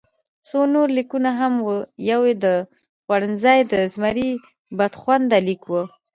څو نور لیکونه هم وو، یو د خوړنځای د زمري بدخونده لیک وو.